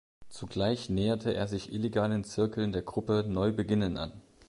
Zugleich näherte er sich illegalen Zirkeln der Gruppe Neu Beginnen an.